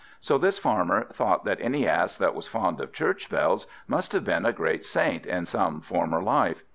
So this Farmer thought that any Ass that was fond of church bells, must have been a great saint in some former life.